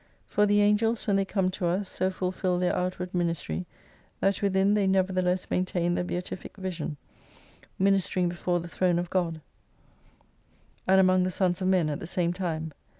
For the Angels when they come to us, so fulfill their outward ministry, that with in they nevertheless maintain the beatific vision : ministering before the Throne of God, and among the 235 sons of men at the same time.